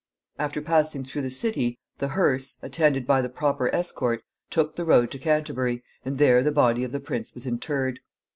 After passing through the city, the hearse, attended by the proper escort, took the road to Canterbury, and there the body of the prince was interred.